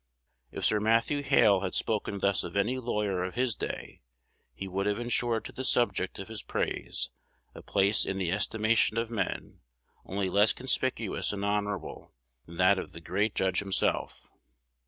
If Sir Matthew Hale had spoken thus of any lawyer of his day, he would have insured to the subject of his praise a place in the estimation of men only less conspicuous and honorable than that of the great judge himself.